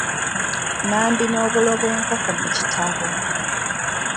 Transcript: Nambi n'obulo bw'enkoko mu kitabo.